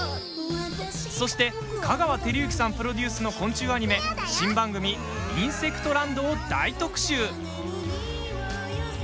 そして、香川照之さんプロデュースの昆虫アニメ新番組「インセクトランド」を大特集。